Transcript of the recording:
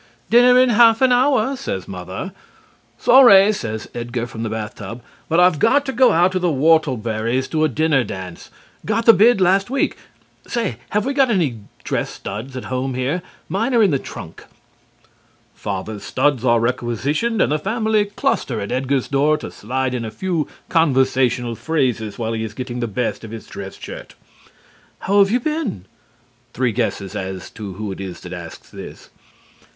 "Dinner in half an hour," says Mother. "Sorry," shouts Edgar from the bath tub, "but I've got to go out to the Whortleberry's to a dinner dance. Got the bid last week. Say, have I got any dress studs at home here? Mine are in my trunk." Father's studs are requisitioned and the family cluster at Edgar's door to slide in a few conversational phrases while he is getting the best of his dress shirt. "How have you been?" (Three guesses as to who it is that asks this.)